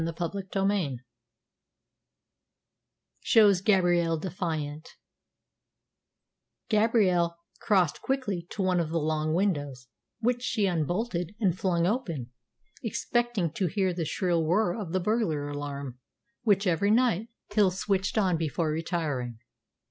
CHAPTER XIX SHOWS GABRIELLE DEFIANT Gabrielle crossed quickly to one of the long windows, which she unbolted and flung open, expecting to hear the shrill whir of the burglar alarm, which, every night, Hill switched on before retiring.